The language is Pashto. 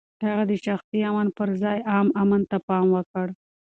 هغه د شخصي امن پر ځای عام امن ته پام وکړ.